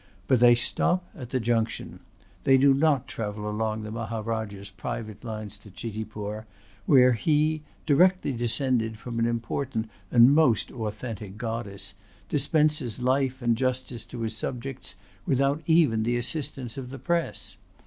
But they stop at the junction. They do not travel along the Maharajah's private lines to Chitipur, where he, directly descended from an important and most authentic goddess, dispenses life and justice to his subjects without even the assistance of the Press.